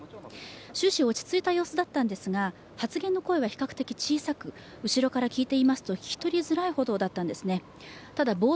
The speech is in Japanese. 終始、落ち着いた様子だったんですが発言の声は比較的小さく後ろから聞いていますと聞き取りづらいほどだったんですね。